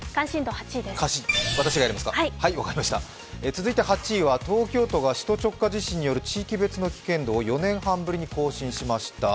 続いて８位は東京都が首都直下型地震による地域別の危険度を４年半ぶりに更新しました。